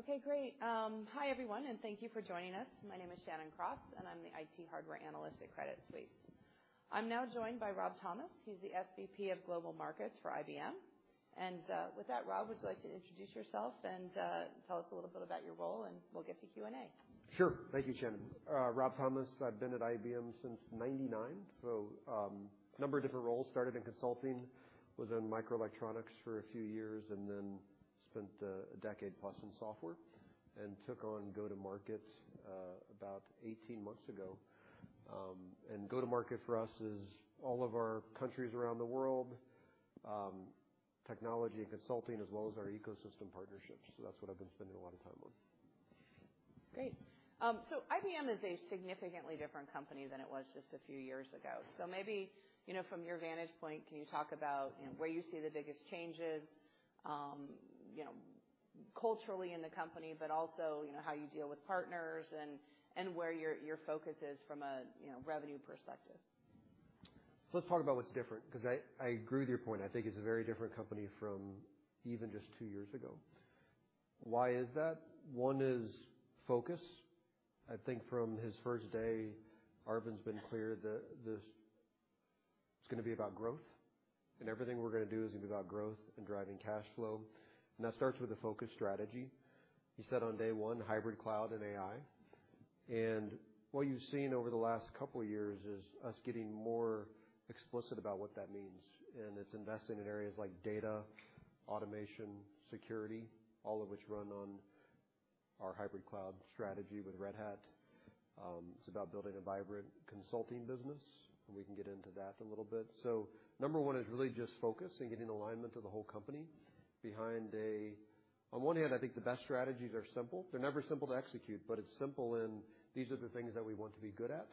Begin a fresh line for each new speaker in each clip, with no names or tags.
Okay, great. Hi everyone, thank you for joining us. My name is Shannon Cross, I'm the IT hardware analyst at Credit Suisse. I'm now joined by Rob Thomas. He's the SVP of global markets for IBM. With that, Rob, would you like to introduce yourself and tell us a little bit about your role, we'll get to Q&A.
Sure. Thank you, Shannon. Rob Thomas, I've been at IBM since 1999, a number of different roles. Started in consulting, was in microelectronics for a few years, then spent a decade plus in software and took on go-to-market about 18 months ago. Go-to-market for us is all of our countries around the world, technology and consulting, as well as our ecosystem partnerships. That's what I've been spending a lot of time on.
Great. IBM is a significantly different company than it was just a few years ago. Maybe, from your vantage point, can you talk about where you see the biggest changes culturally in the company, also how you deal with partners and where your focus is from a revenue perspective?
Let's talk about what's different, because I agree with your point. I think it's a very different company from even just two years ago. Why is that? One is focus. I think from his first day, Arvind's been clear that this is going to be about growth, everything we're going to do is going to be about growth and driving cash flow. That starts with a focus strategy. He said on day one, hybrid cloud and AI. What you've seen over the last couple of years is us getting more explicit about what that means. It's investing in areas like data, automation, security, all of which run on our hybrid cloud strategy with Red Hat. It's about building a vibrant consulting business, we can get into that a little bit. Number one is really just focus and getting alignment of the whole company behind. On one hand, I think the best strategies are simple. They're never simple to execute, but it's simple in these are the things that we want to be good at,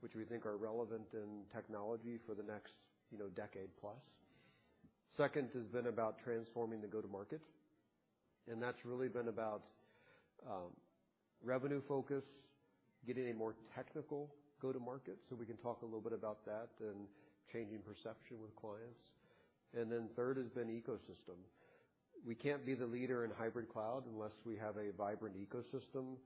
which we think are relevant in technology for the next decade plus. Second has been about transforming the go-to-market, and that's really been about revenue focus, getting a more technical go-to-market, so we can talk a little bit about that and changing perception with clients. Third has been ecosystem. We can't be the leader in hybrid cloud unless we have a vibrant ecosystem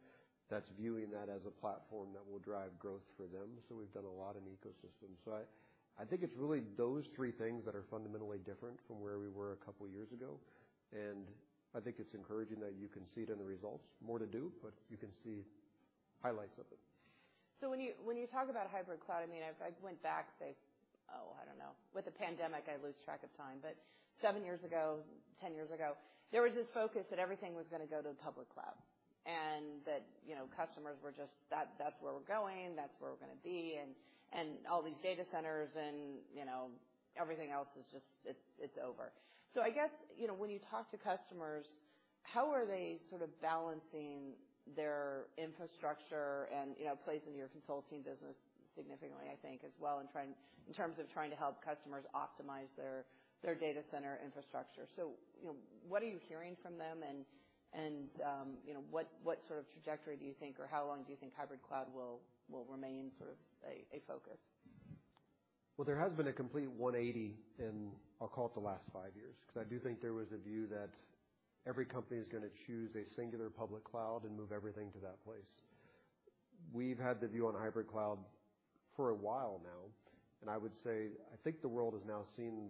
that's viewing that as a platform that will drive growth for them. We've done a lot in ecosystems. I think it's really those three things that are fundamentally different from where we were a couple of years ago, and I think it's encouraging that you can see it in the results. More to do, but you can see highlights of it.
When you talk about hybrid cloud, I went back, say, I don't know. With the pandemic, I lose track of time, but seven years ago, 10 years ago, there was this focus that everything was going to go to public cloud, and that customers were just, "That's where we're going. That's where we're going to be." All these data centers and everything else is just, it's over. I guess, when you talk to customers, how are they sort of balancing their infrastructure and it plays into your consulting business significantly, I think, as well in terms of trying to help customers optimize their data center infrastructure. What are you hearing from them and what sort of trajectory do you think, or how long do you think hybrid cloud will remain sort of a focus?
There has been a complete 180 in, I'll call it, the last five years, because I do think there was a view that every company is going to choose a singular public cloud and move everything to that place. We've had the view on hybrid cloud for a while now, and I would say I think the world has now seen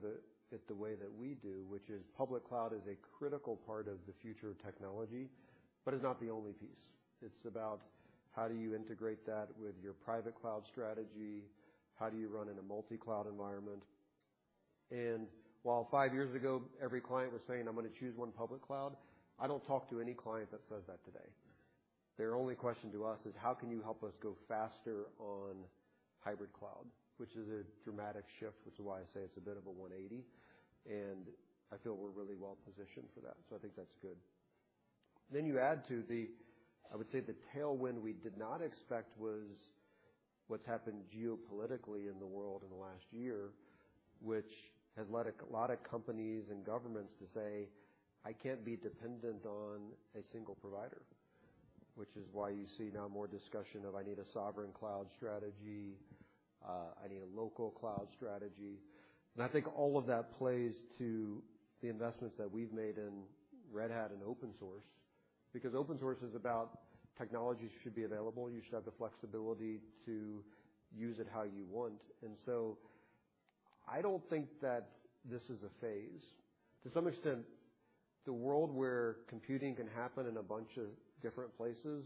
it the way that we do, which is public cloud is a critical part of the future of technology, but is not the only piece. It's about how do you integrate that with your private cloud strategy, how do you run in a multi-cloud environment. While five years ago every client was saying, "I'm going to choose one public cloud," I don't talk to any client that says that today. Their only question to us is how can you help us go faster on hybrid cloud, which is a dramatic shift, which is why I say it's a bit of a 180, and I feel we're really well positioned for that. I think that's good. You add to the, I would say, the tailwind we did not expect was what's happened geopolitically in the world in the last year, which has led a lot of companies and governments to say, "I can't be dependent on a single provider." You see now more discussion of I need a sovereign cloud strategy, I need a local cloud strategy. I think all of that plays to the investments that we've made in Red Hat and open source, because open source is about technologies should be available. You should have the flexibility to use it how you want. I don't think that this is a phase. To some extent, the world where computing can happen in a bunch of different places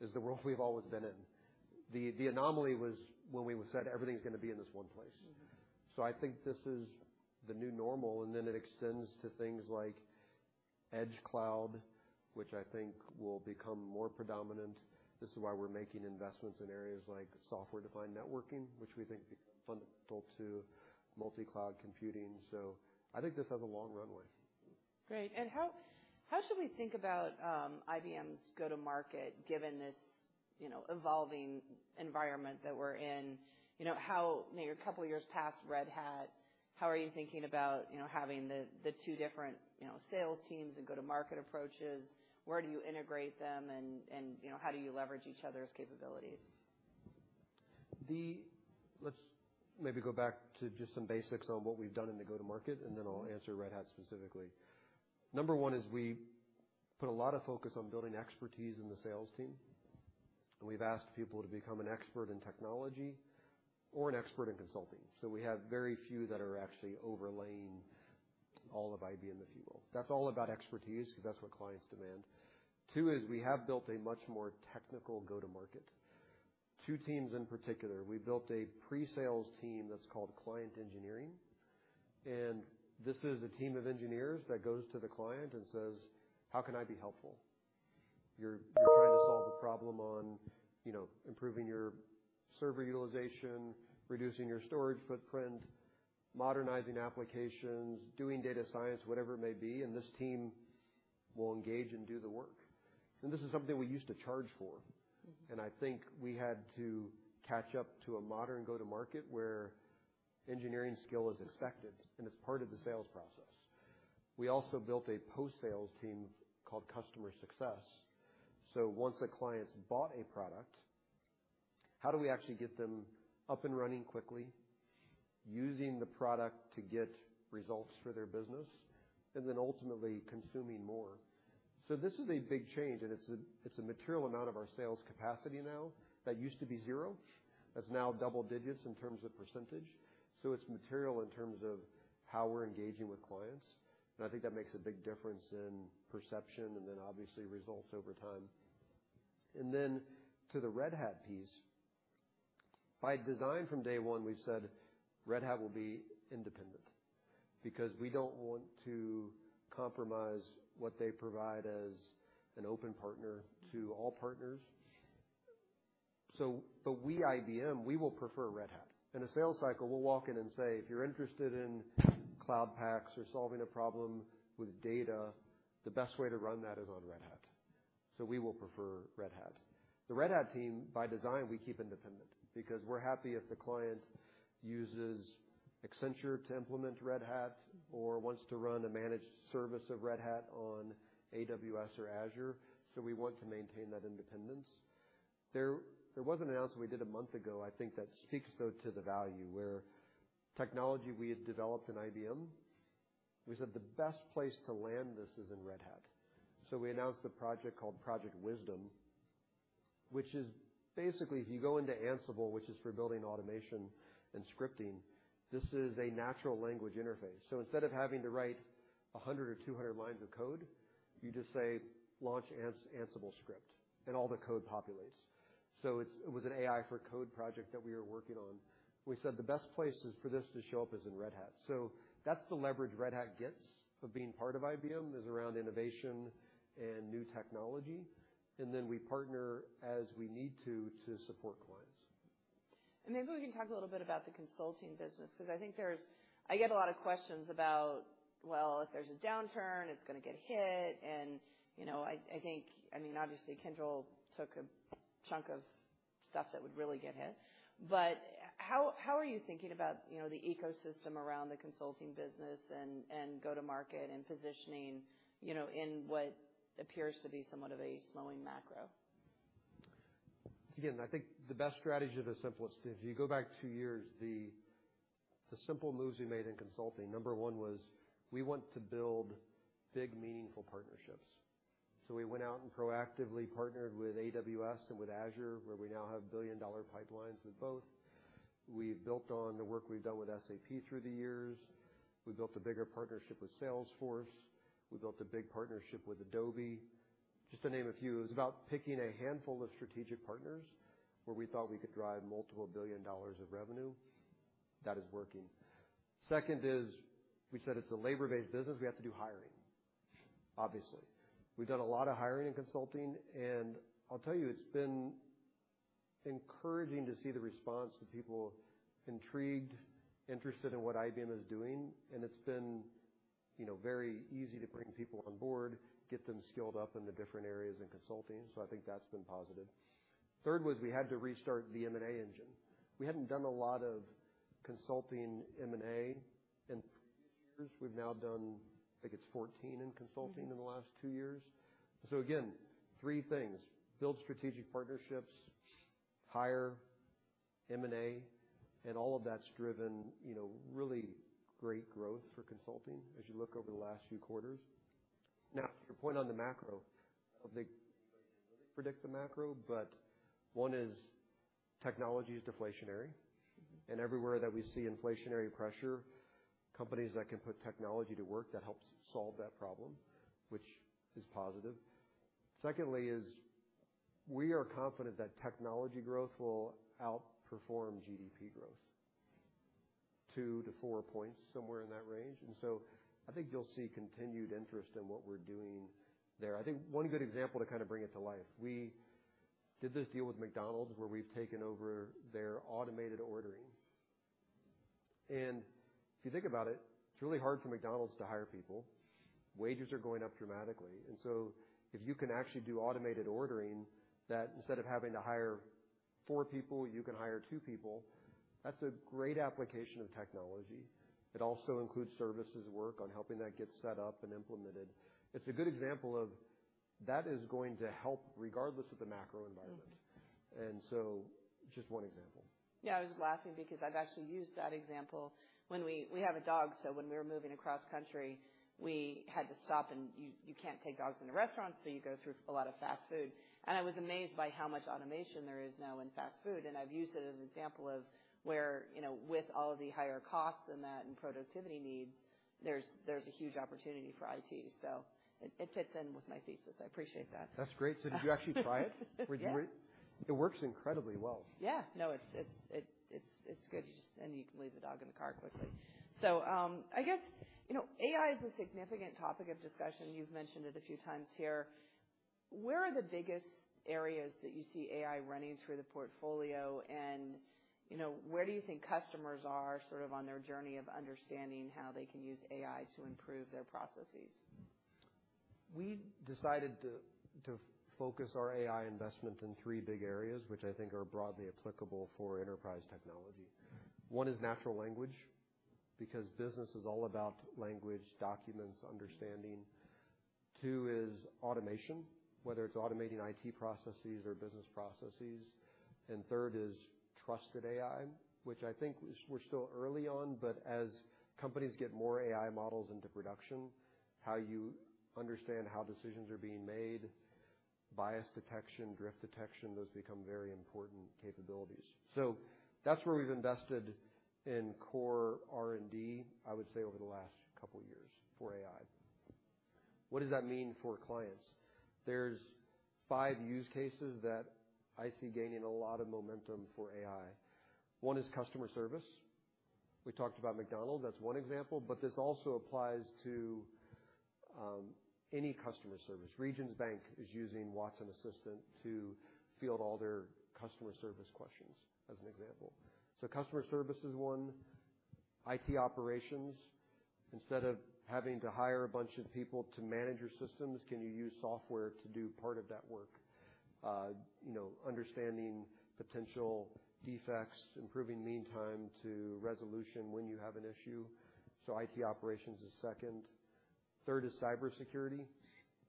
is the world we've always been in. The anomaly was when we said everything's going to be in this one place. I think this is the new normal, it extends to things like edge cloud, which I think will become more predominant. This is why we're making investments in areas like software-defined networking, which we think is fundamental to multi-cloud computing. I think this has a long runway.
Great. How should we think about IBM's go-to-market given this evolving environment that we're in? You're a couple of years past Red Hat, how are you thinking about having the two different sales teams and go-to-market approaches? Where do you integrate them and how do you leverage each other's capabilities?
Let's maybe go back to just some basics on what we've done in the go-to market, then I'll answer Red Hat specifically. Number one is we put a lot of focus on building expertise in the sales team, and we've asked people to become an expert in technology or an expert in consulting. We have very few that are actually overlaying all of IBM, if you will. That's all about expertise because that's what clients demand. Two is we have built a much more technical go-to-market. Two teams in particular, we built a pre-sales team that's called Client Engineering, and this is a team of engineers that goes to the client and says, "How can I be helpful?" You're trying to solve a problem on improving your server utilization, reducing your storage footprint, modernizing applications, doing data science, whatever it may be, and this team will engage and do the work. This is something we used to charge for. I think we had to catch up to a modern go-to-market where engineering skill is expected, and it's part of the sales process. We also built a post-sales team called Customer Success. Once a client's bought a product, how do we actually get them up and running quickly, using the product to get results for their business, and then ultimately consuming more? This is a big change, and it's a material amount of our sales capacity now that used to be zero. That's now double digits in terms of percentage. It's material in terms of how we're engaging with clients, and I think that makes a big difference in perception and then obviously results over time. Then to the Red Hat piece. By design from day one, we've said Red Hat will be independent because we don't want to compromise what they provide as an open partner to all partners. We, IBM, we will prefer Red Hat. In a sales cycle, we'll walk in and say, "If you're interested in Cloud Paks or solving a problem with data, the best way to run that is on Red Hat." We will prefer Red Hat. The Red Hat team, by design, we keep independent because we're happy if the client uses Accenture to implement Red Hat or wants to run a managed service of Red Hat on AWS or Azure. We want to maintain that independence. There was an announcement we did a month ago, I think, that speaks, though, to the value where technology we had developed in IBM, we said the best place to land this is in Red Hat. We announced a project called Project Wisdom, which is basically, if you go into Ansible, which is for building automation and scripting, this is a natural language interface. Instead of having to write 100 or 200 lines of code, you just say, "Launch Ansible script," and all the code populates. It was an AI for code project that we were working on. We said the best places for this to show up is in Red Hat. That's the leverage Red Hat gets for being part of IBM is around innovation and new technology, and then we partner as we need to support clients.
Maybe we can talk a little bit about the consulting business, because I get a lot of questions about, well, if there's a downturn, it's going to get hit, and I think, obviously, Kyndryl took a chunk of stuff that would really get hit. How are you thinking about the ecosystem around the consulting business and go-to-market and positioning in what appears to be somewhat of a slowing macro?
Again, I think the best strategy are the simplest. If you go back two years, the simple moves we made in consulting, number one was we want to build big, meaningful partnerships. We went out and proactively partnered with AWS and with Azure, where we now have billion-dollar pipelines with both. We've built on the work we've done with SAP through the years. We built a bigger partnership with Salesforce. We built a big partnership with Adobe, just to name a few. It was about picking a handful of strategic partners where we thought we could drive multiple billion dollars of revenue. That is working. Second is we said it's a labor-based business. We have to do hiring, obviously. We've done a lot of hiring and consulting, and I'll tell you, it's been encouraging to see the response to people intrigued, interested in what IBM is doing, and it's been very easy to bring people on board, get them skilled up in the different areas in consulting. I think that's been positive. Third was we had to restart the M&A engine. We hadn't done a lot of consulting M&A in previous years. We've now done, I think it's 14 in consulting in the last two years. Again, three things, build strategic partnerships, hire, M&A, and all of that's driven really great growth for consulting as you look over the last few quarters. To your point on the macro, I don't think anybody can really predict the macro, but one is technology is deflationary, and everywhere that we see inflationary pressure, companies that can put technology to work that helps solve that problem, which is positive. Secondly is we are confident that technology growth will outperform GDP growth two to four points, somewhere in that range. I think you'll see continued interest in what we're doing there. I think one good example to kind of bring it to life, we did this deal with McDonald's where we've taken over their automated ordering. If you think about it's really hard for McDonald's to hire people. Wages are going up dramatically. If you can actually do automated ordering that instead of having to hire four people, you can hire two people, that's a great application of technology. It also includes services work on helping that get set up and implemented. It's a good example of that is going to help regardless of the macro environment. Just one example.
Yeah, I was just laughing because I've actually used that example. We have a dog, so when we were moving across country, we had to stop, and you can't take dogs into restaurants, so you go through a lot of fast food. I was amazed by how much automation there is now in fast food, and I've used it as an example of where, with all of the higher costs and that and productivity needs, there's a huge opportunity for IT. It fits in with my thesis. I appreciate that.
That's great. Did you actually try it?
Yeah.
It works incredibly well.
Yeah. No, it's good. You can leave the dog in the car quickly. AI is a significant topic of discussion. You've mentioned it a few times here. Where are the biggest areas that you see AI running through the portfolio, and where do you think customers are sort of on their journey of understanding how they can use AI to improve their processes?
We decided to focus our AI investment in three big areas, which I think are broadly applicable for enterprise technology. One is natural language, because business is all about language, documents, understanding. Two is automation, whether it's automating IT processes or business processes. Third is trusted AI, which I think we're still early on, but as companies get more AI models into production, how you understand how decisions are being made, bias detection, drift detection, those become very important capabilities. That's where we've invested in core R&D, I would say, over the last couple of years for AI. What does that mean for clients? There's five use cases that I see gaining a lot of momentum for AI. One is customer service. We talked about McDonald's, that's one example, but this also applies to any customer service. Regions Bank is using Watson Assistant to field all their customer service questions, as an example. Customer service is one. IT operations, instead of having to hire a bunch of people to manage your systems, can you use software to do part of that work? Understanding potential defects, improving mean time to resolution when you have an issue. IT operations is second. Third is cybersecurity,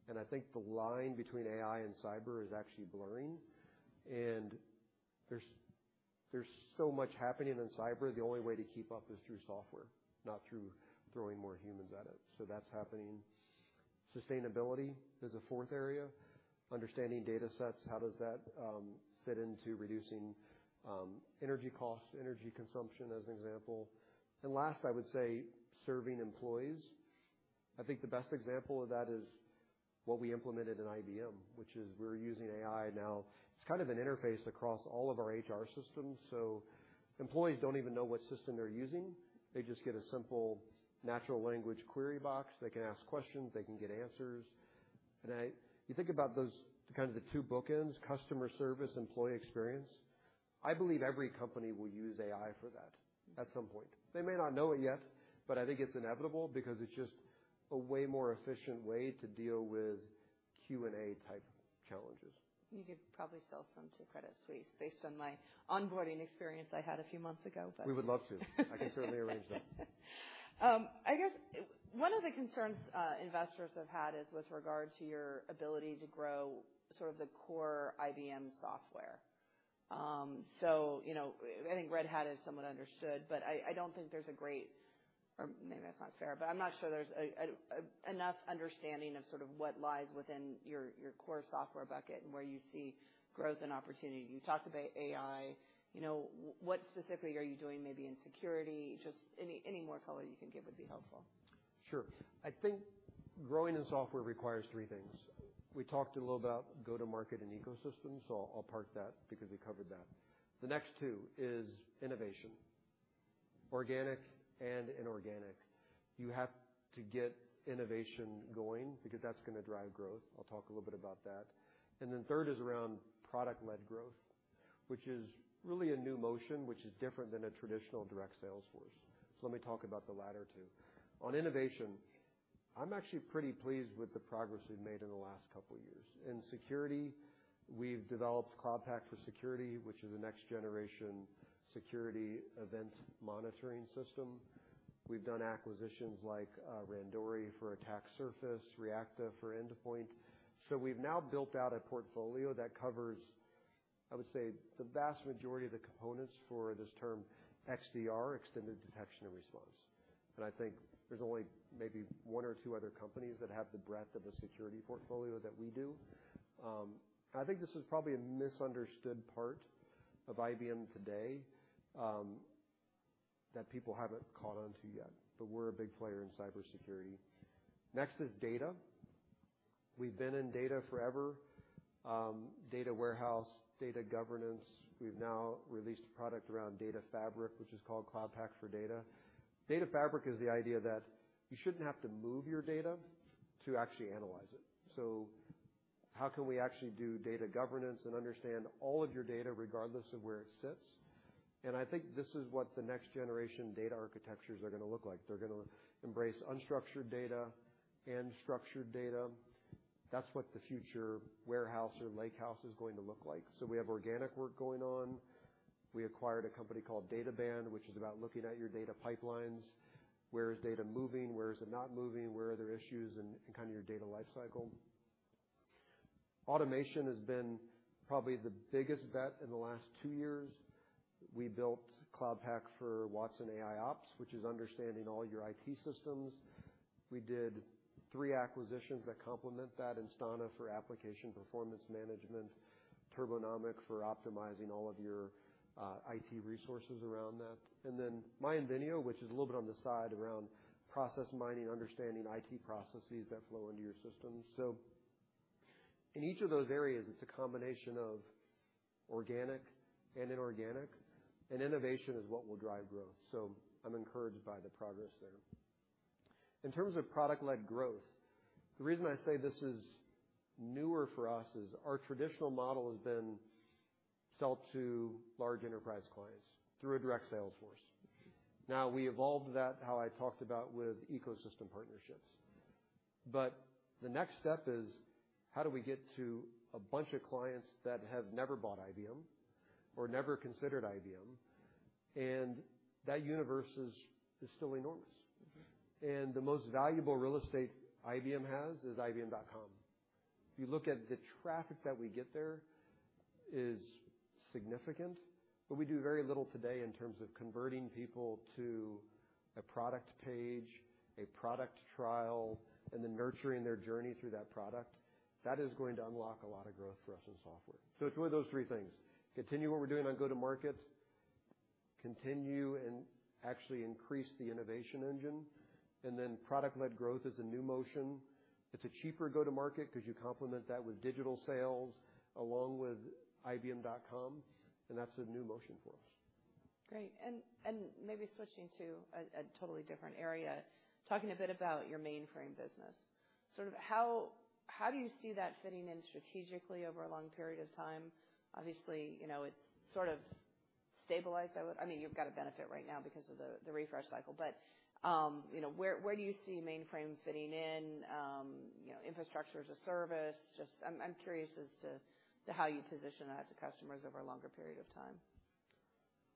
and I think the line between AI and cyber is actually blurring, and there's so much happening in cyber, the only way to keep up is through software, not through throwing more humans at it. That's happening. Sustainability is a fourth area. Understanding data sets, how does that fit into reducing energy costs, energy consumption, as an example. Last, I would say serving employees. I think the best example of that is what we implemented in IBM, which is we're using AI now. It's kind of an interface across all of our HR systems, so employees don't even know what system they're using. They just get a simple natural language query box. They can ask questions. They can get answers. You think about those kind of the two bookends, customer service, employee experience. I believe every company will use AI for that at some point. They may not know it yet, but I think it's inevitable because it's just a way more efficient way to deal with Q&A-type challenges.
You could probably sell some to Credit Suisse based on my onboarding experience I had a few months ago.
We would love to. I can certainly arrange that.
I guess one of the concerns investors have had is with regard to your ability to grow sort of the core IBM software. I think Red Hat is somewhat understood, but I don't think there's a great or maybe that's not fair, but I'm not sure there's enough understanding of sort of what lies within your core software bucket and where you see growth and opportunity. You talked about AI. What specifically are you doing maybe in security, just any more color you can give would be helpful.
Sure. I think growing in software requires three things. We talked a little about go-to-market and ecosystem, I'll park that because we covered that. The next two is innovation, organic and inorganic. You have to get innovation going because that's going to drive growth. I'll talk a little bit about that. Third is around product-led growth, which is really a new motion, which is different than a traditional direct sales force. Let me talk about the latter two. On innovation, I'm actually pretty pleased with the progress we've made in the last couple of years. In security, we've developed Cloud Pak for Security, which is a next-generation security event monitoring system. We've done acquisitions like Randori for attack surface, ReaQta for endpoint. We've now built out a portfolio that covers, I would say, the vast majority of the components for this term XDR, extended detection and response. I think there's only maybe one or two other companies that have the breadth of a security portfolio that we do. I think this is probably a misunderstood part of IBM today, that people haven't caught on to yet, but we're a big player in cybersecurity. Next is data. We've been in data forever. Data warehouse, data governance. We've now released a product around data fabric, which is called Cloud Pak for Data. Data fabric is the idea that you shouldn't have to move your data to actually analyze it. How can we actually do data governance and understand all of your data regardless of where it sits? I think this is what the next generation data architectures are going to look like. They're going to embrace unstructured data and structured data. That's what the future warehouse or lake house is going to look like. We have organic work going on. We acquired a company called Databand, which is about looking at your data pipelines. Where is data moving? Where is it not moving? Where are there issues in your data life cycle? Automation has been probably the biggest bet in the last two years. We built Cloud Pak for Watson AIOps, which is understanding all your IT systems. We did three acquisitions that complement that. Instana for application performance management, Turbonomic for optimizing all of your IT resources around that, and then myInvenio, which is a little bit on the side around process mining, understanding IT processes that flow into your systems. In each of those areas, it's a combination of organic and inorganic, innovation is what will drive growth. I'm encouraged by the progress there. In terms of product-led growth, the reason I say this is newer for us is our traditional model has been sell to large enterprise clients through a direct sales force. We evolved that, how I talked about, with ecosystem partnerships. The next step is how do we get to a bunch of clients that have never bought IBM or never considered IBM? That universe is still enormous. The most valuable real estate IBM has is ibm.com. If you look at the traffic that we get there, is significant, but we do very little today in terms of converting people to a product page, a product trial, and then nurturing their journey through that product. That is going to unlock a lot of growth for us in software. It's one of those three things. Continue what we're doing on go-to-market, continue and actually increase the innovation engine, product-led growth is a new motion. It's a cheaper go-to-market because you complement that with digital sales, along with ibm.com, that's a new motion for us.
Great. Maybe switching to a totally different area, talking a bit about your mainframe business. How do you see that fitting in strategically over a long period of time? Obviously, it's sort of stabilized. You've got a benefit right now because of the refresh cycle, but where do you see mainframe fitting in, infrastructure as a service? Just I'm curious as to how you position that to customers over a longer period of time.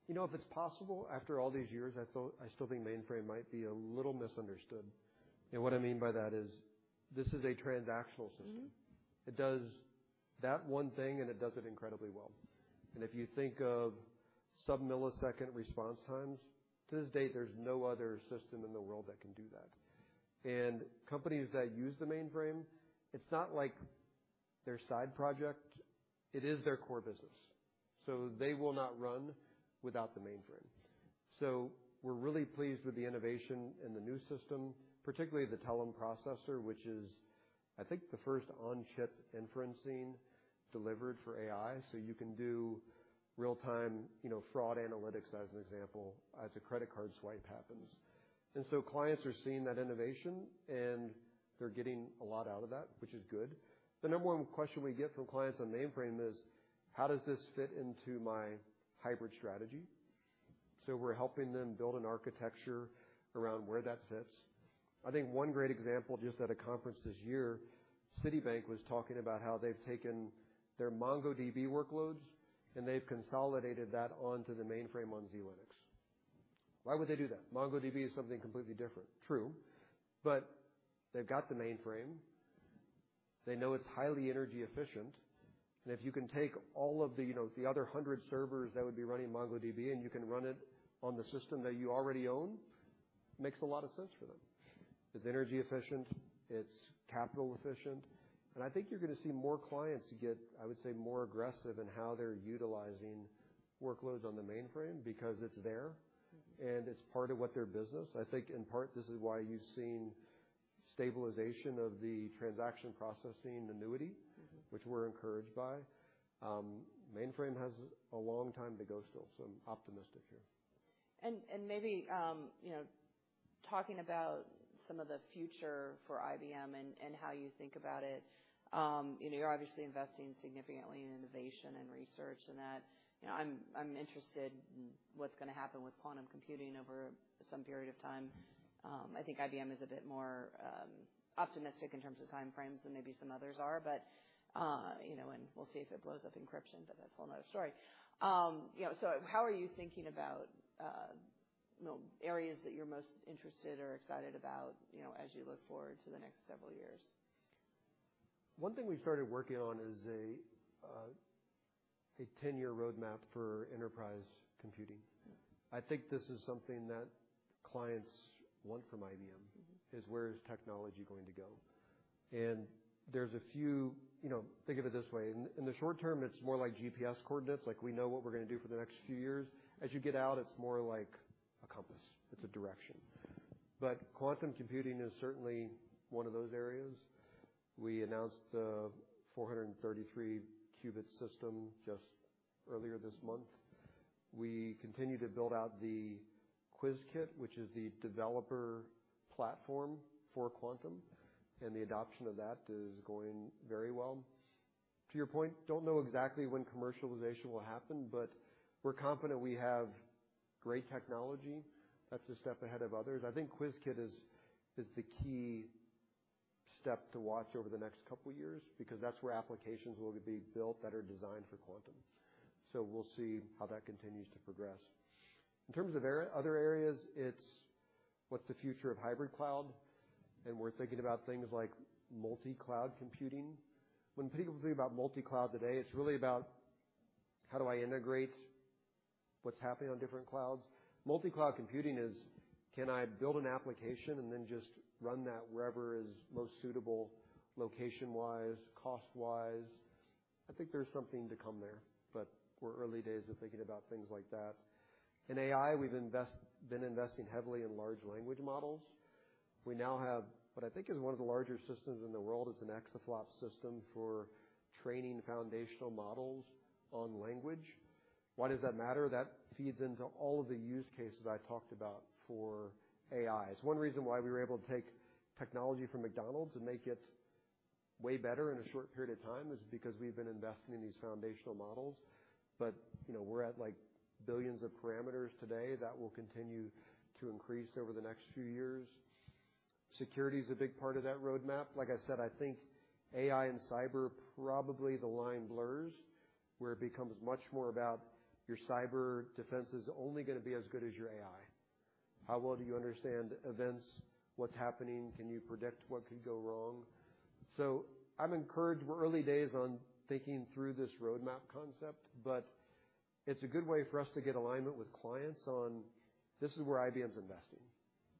If it's possible, after all these years, I still think mainframe might be a little misunderstood. What I mean by that is this is a transactional system. It does that one thing, it does it incredibly well. If you think of sub-millisecond response times, to this date, there's no other system in the world that can do that. Companies that use the mainframe, it's not like their side project, it is their core business. They will not run without the mainframe. We're really pleased with the innovation in the new system, particularly the Telum processor, which is, I think, the first on-chip inferencing delivered for AI. You can do real-time fraud analytics, as an example, as a credit card swipe happens. Clients are seeing that innovation, they're getting a lot out of that, which is good. The number one question we get from clients on mainframe is, "How does this fit into my hybrid strategy?" We're helping them build an architecture around where that fits. I think one great example, just at a conference this year, Citibank was talking about how they've taken their MongoDB workloads, they've consolidated that onto the mainframe on zLinux. Why would they do that? MongoDB is something completely different, true. They've got the mainframe. They know it's highly energy efficient, if you can take all of the other 100 servers that would be running MongoDB, you can run it on the system that you already own, makes a lot of sense for them. It's energy efficient, it's capital efficient, I think you're going to see more clients get, I would say, more aggressive in how they're utilizing workloads on the mainframe because it's there, it's part of what their business. I think, in part, this is why you've seen stabilization of the transaction processing annuity- which we're encouraged by. Mainframe has a long time to go still, I'm optimistic here.
Maybe talking about some of the future for IBM and how you think about it. You're obviously investing significantly in innovation and research, that. I'm interested in what's going to happen with quantum computing over some period of time. I think IBM is a bit more optimistic in terms of time frames than maybe some others are, we'll see if it blows up encryption, that's a whole another story. How are you thinking about areas that you're most interested or excited about as you look forward to the next several years?
One thing we started working on is a 10-year roadmap for enterprise computing. I think this is something that clients want from IBM. is where is technology going to go? There's a few. Think of it this way. In the short term, it's more like GPS coordinates. We know what we're going to do for the next few years. As you get out, it's more like a compass. It's a direction. Quantum computing is certainly one of those areas. We announced the 433-qubit system just earlier this month. We continue to build out the Qiskit, which is the developer platform for quantum, and the adoption of that is going very well. To your point, don't know exactly when commercialization will happen, but we're confident we have great technology that's a step ahead of others. I think Qiskit is the key step to watch over the next couple of years, because that's where applications will be built that are designed for quantum. We'll see how that continues to progress. In terms of other areas, it's what's the future of hybrid cloud, and we're thinking about things like multi-cloud computing. When people think about multi-cloud today, it's really about how do I integrate what's happening on different clouds? Multi-cloud computing is, can I build an application and then just run that wherever is most suitable location-wise, cost-wise? I think there's something to come there, but we're early days of thinking about things like that. In AI, we've been investing heavily in large language models. We now have what I think is one of the larger systems in the world. It's an exaflop system for training foundational models on language. Why does that matter? That feeds into all of the use cases I talked about for AI. One reason why we were able to take technology from McDonald's and make it way better in a short period of time is because we've been investing in these foundational models. We're at billions of parameters today. That will continue to increase over the next few years. Security is a big part of that roadmap. Like I said, I think AI and cyber, probably the line blurs, where it becomes much more about your cyber defense is only going to be as good as your AI. How well do you understand events? What's happening? Can you predict what could go wrong? I'm encouraged. We're early days on thinking through this roadmap concept, but it's a good way for us to get alignment with clients on this is where IBM's investing.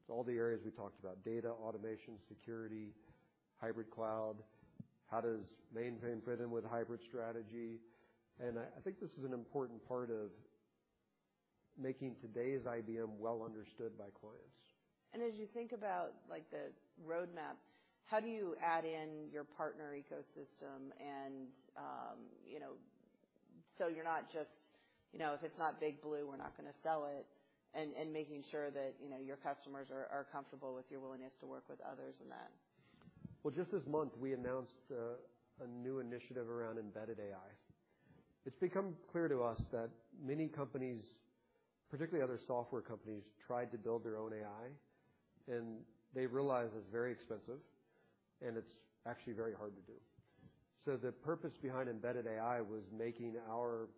All the areas we talked about, data, automation, security, hybrid cloud, how does mainframe fit in with hybrid strategy? I think this is an important part of making today's IBM well understood by clients.
As you think about the roadmap, how do you add in your partner ecosystem? You're not just, if it's not Big Blue, we're not going to sell it, and making sure that your customers are comfortable with your willingness to work with others in that.
Well, just this month, we announced a new initiative around embedded AI. It's become clear to us that many companies, particularly other software companies, tried to build their own AI, and they realized it's very expensive and it's actually very hard to do. The purpose behind embedded AI was making our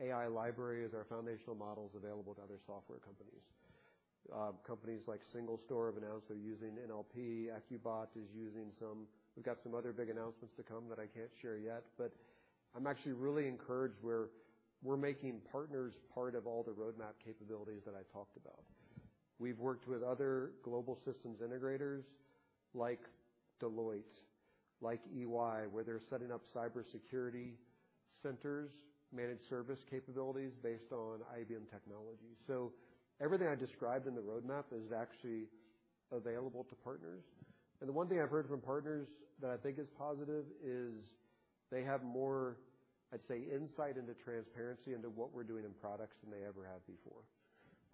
AI libraries, our foundational models available to other software companies. Companies like SingleStore have announced they're using NLP. AccuBot is using some. We've got some other big announcements to come that I can't share yet, but I'm actually really encouraged. We're making partners part of all the roadmap capabilities that I talked about. We've worked with other global systems integrators like Deloitte, like EY, where they're setting up cybersecurity centers, managed service capabilities based on IBM technology. Everything I described in the roadmap is actually available to partners. The one thing I've heard from partners that I think is positive is they have more, I'd say, insight into transparency into what we're doing in products than they ever have before.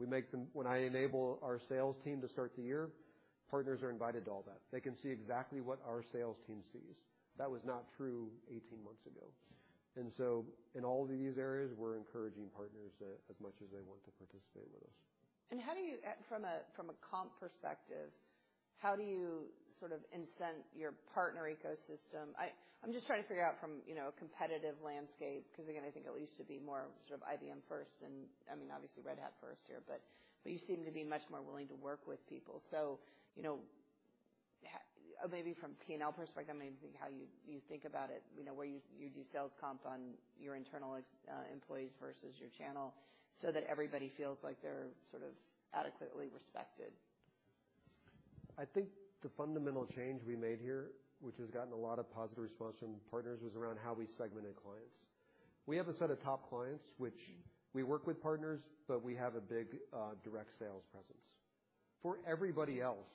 When I enable our sales team to start the year, partners are invited to all that. They can see exactly what our sales team sees. That was not true 18 months ago. In all of these areas, we're encouraging partners as much as they want to participate with us.
From a comp perspective, how do you incent your partner ecosystem? I'm just trying to figure out from a competitive landscape, because again, I think it used to be more IBM first and obviously Red Hat first here, but you seem to be much more willing to work with people. Maybe from a P&L perspective, how you think about it, where you do sales comp on your internal employees versus your channel so that everybody feels like they're adequately respected.
I think the fundamental change we made here, which has gotten a lot of positive response from partners, was around how we segmented clients. We have a set of top clients which we work with partners, but we have a big direct sales presence. For everybody else,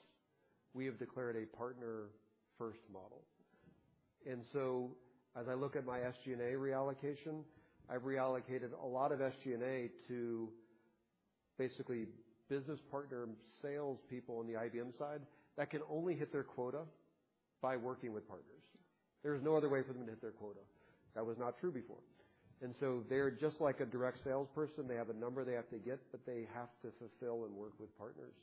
we have declared a partner-first model. As I look at my SG&A reallocation, I've reallocated a lot of SG&A to basically business partner salespeople on the IBM side that can only hit their quota by working with partners. There's no other way for them to hit their quota. That was not true before. They're just like a direct salesperson. They have a number they have to get, but they have to fulfill and work with partners.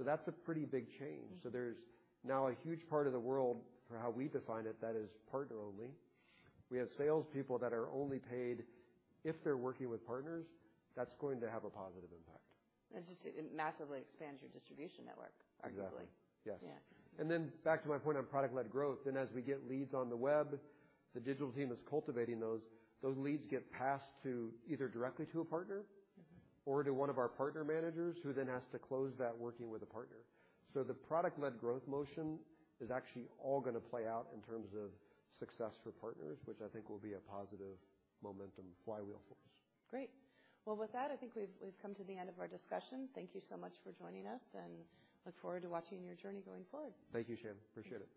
That's a pretty big change. There's now a huge part of the world for how we define it that is partner only. We have salespeople that are only paid if they're working with partners. That's going to have a positive impact.
It massively expands your distribution network, arguably.
Exactly, yes.
Yeah.
Back to my point on product-led growth, then as we get leads on the web, the digital team is cultivating those. Those leads get passed either directly to a partner or to one of our partner managers who then has to close that working with a partner. The product-led growth motion is actually all going to play out in terms of success for partners, which I think will be a positive momentum flywheel for us.
Great. Well, with that, I think we've come to the end of our discussion. Thank you so much for joining us, and look forward to watching your journey going forward.
Thank you, Shannon. Appreciate it.